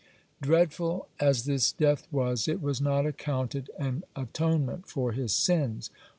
Dreadful as this death was, it was not accounted an atonement for his sins.